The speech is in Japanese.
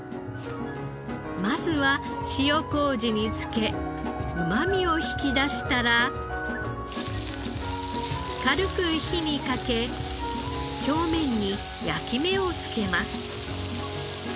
まずは塩麹に漬けうまみを引き出したら軽く火にかけ表面に焼き目をつけます。